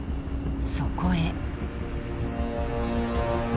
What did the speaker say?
そこへ。